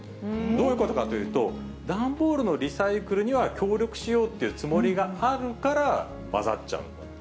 どういうことかというと、段ボールのリサイクルには協力しようっていうつもりがあるから、混ざっちゃうんだと。